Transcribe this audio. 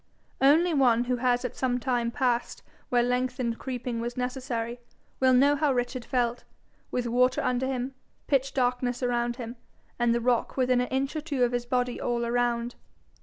Only one who has at some time passed where lengthened creeping was necessary, will know how Richard felt, with water under him, pitch darkness about him, and the rock within an inch or two of his body all round.